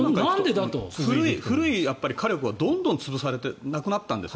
古い火力はどんどん潰されてなくなったんです。